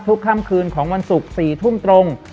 ค่ำคืนของวันศุกร์๔ทุ่มตรง